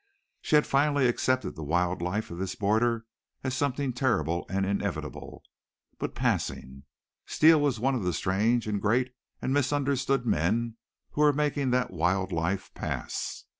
She had finally accepted the wild life of this border as something terrible and inevitable, but passing. Steele was one of the strange and great and misunderstood men who were making that wild life pass.